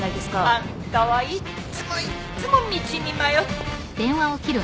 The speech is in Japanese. あんたはいっつもいっつも道に迷っ。